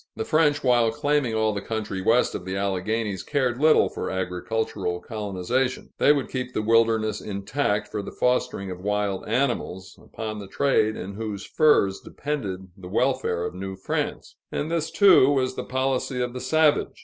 The French, while claiming all the country west of the Alleghanies, cared little for agricultural colonization; they would keep the wilderness intact, for the fostering of wild animals, upon the trade in whose furs depended the welfare of New France and this, too, was the policy of the savage.